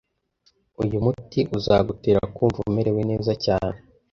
Uyu muti uzagutera kumva umerewe neza cyane.